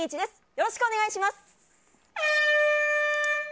よろしくお願いします。